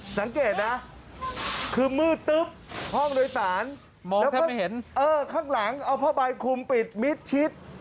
สังเกตนะคือมืดตึ๊บห้องโดยสารแล้วก็เห็นเออข้างหลังเอาผ้าใบคุมปิดมิดชิด